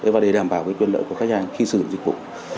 và để đảm bảo quyền lợi của khách hàng khi sử dụng dịch vụ